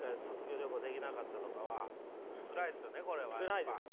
つらいです